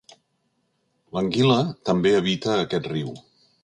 L'anguila també habita aquest riu.